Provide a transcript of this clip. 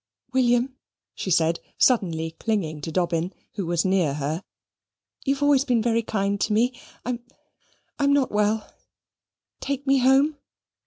"William," she said, suddenly clinging to Dobbin, who was near her, "you've always been very kind to me I'm I'm not well. Take me home."